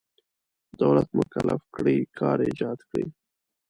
دولت مکلف کړی کار ایجاد کړي.